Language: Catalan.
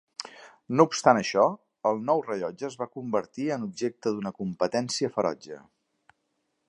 No obstant això, el nou rellotge es va convertir en objecte d'una competència ferotge.